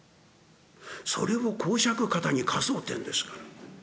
それを講釈カタに貸そうってんですから。